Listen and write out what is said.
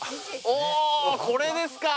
おおこれですか！